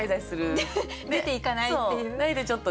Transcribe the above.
出ていかないっていう。